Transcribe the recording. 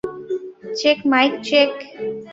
Check mic check.